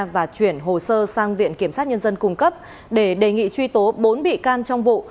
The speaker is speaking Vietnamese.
và chuyển hồ sơ sang viện kiểm sát nhân dân cung cấp để đề nghị truy tố bốn bị can trong vụ